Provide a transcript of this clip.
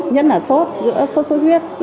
nhất là suốt giữa suốt huyết